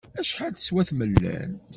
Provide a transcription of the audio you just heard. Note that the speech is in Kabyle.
Acḥal teswa tmellalt?